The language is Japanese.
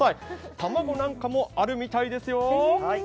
卵なんかもあるみたいですよ。